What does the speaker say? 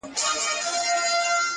مګر داغسې ونه شول